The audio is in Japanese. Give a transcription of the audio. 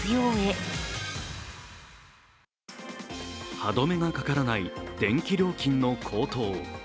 歯止めがかからない電気料金の高騰。